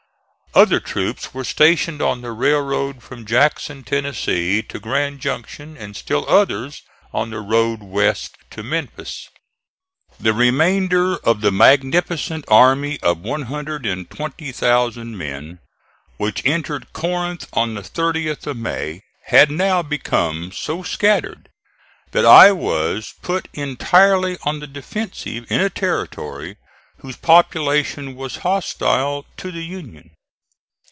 Other troops were stationed on the railroad from Jackson, Tennessee, to Grand Junction, and still others on the road west to Memphis. The remainder of the magnificent army of 120,000 men which entered Corinth on the 30th of May had now become so scattered that I was put entirely on the defensive in a territory whose population was hostile to the Union.